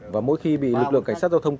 và mỗi khi bị lực lượng cảnh sát giao thông